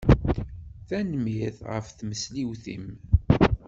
Tanemmirt ɣef tmesliwt-im.